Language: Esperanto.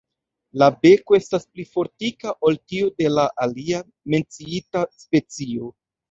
La beko estas pli fortika ol tiu de la alia menciata specio.